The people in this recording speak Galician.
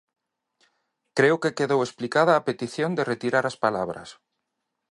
Creo que quedou explicada a petición de retirar as palabras.